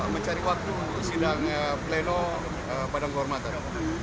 mencari waktu sedang pleno badan kehormatan